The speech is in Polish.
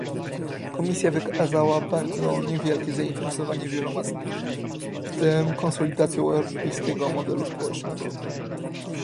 Komisja wykazała bardzo niewielkie zainteresowanie wieloma z nich, w tym konsolidacją europejskiego modelu społecznego